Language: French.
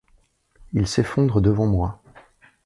Il s’effondre devant moi.